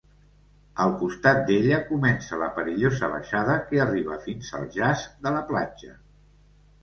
Al costat d'ella comença la perillosa baixada que arriba fins al jaç de la platja.